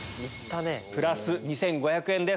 プラス２５００円です。